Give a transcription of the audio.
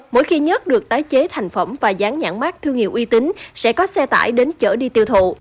mỗi khi nhất được tái chế thành phẩm và dán nhãn mát thương hiệu uy tín sẽ có xe tải đến chở đi tiêu thụ